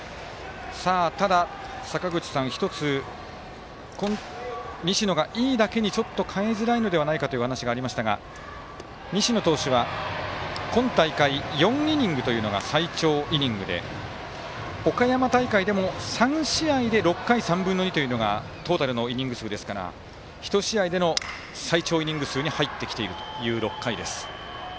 ただ、坂口さん、１つ西野がいいだけに、ちょっと変えづらいのではというお話がありましたが西野投手は今大会４イニングというのが最長イニングで岡山大会でも、３試合で６回３分の２というのがトータルのイニング数ですから１試合での最長イニング数に入ってきているという６回です。